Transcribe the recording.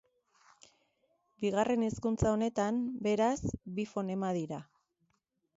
Bigarren hizkuntza honetan, beraz, bi fonema dira.